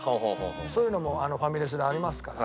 そういうのもファミレスでありますから。